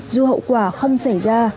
dù hậu quả không xảy ra